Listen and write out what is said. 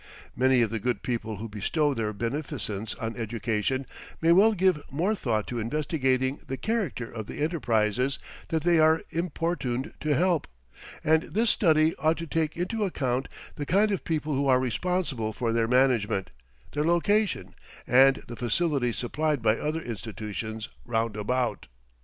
Many of the good people who bestow their beneficence on education may well give more thought to investigating the character of the enterprises that they are importuned to help, and this study ought to take into account the kind of people who are responsible for their management, their location, and the facilities supplied by other institutions round about.